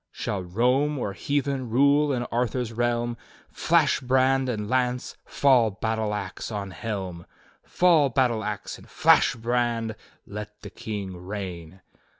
"'Shall Rome or Heathen rule in Arthur's reahn.^ Flash brand and lance, fall battle ax on helm. Fall battle ax, and flash brand! Let the King reign!